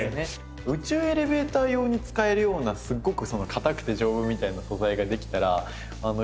宇宙エレベーター用に使えるようなすっごく硬くて丈夫みたいな素材ができたら。